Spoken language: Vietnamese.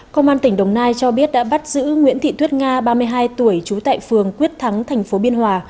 công an tỉnh đồng nai cho biết đã bắt giữ nguyễn thị thuyết nga ba mươi hai tuổi trú tại phường quyết thắng thành phố biên hòa